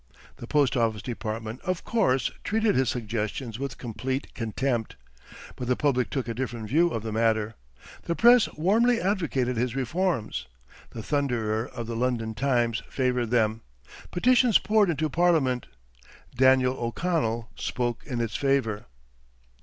The post office department, of course, treated his suggestions with complete contempt. But the public took a different view of the matter. The press warmly advocated his reforms. The thunderer of the London "Times" favored them. Petitions poured into Parliament. Daniel O'Connell spoke in its favor.